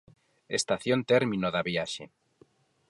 Estación término da viaxe.